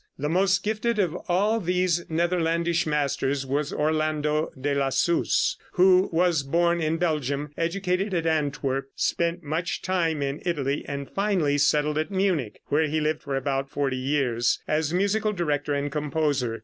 The most gifted of all these Netherlandish masters was Orlando de Lassus, who was born in Belgium, educated at Antwerp, spent some time in Italy, and finally settled at Munich, where he lived for about forty years, as musical director and composer.